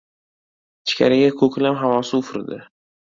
Ichkariga ko‘klam havosi ufurdi.